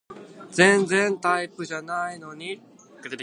全然タイプじゃないのに